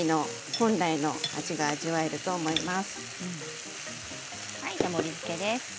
本来の味が味わえると思います。